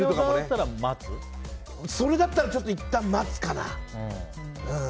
それだったらいったん待つかな。